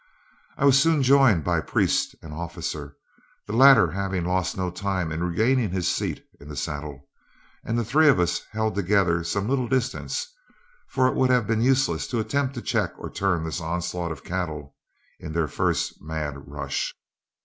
I was soon joined by Priest and Officer, the latter having lost no time in regaining his seat in the saddle, and the three of us held together some little distance, for it would have been useless to attempt to check or turn this onslaught of cattle in their first mad rush.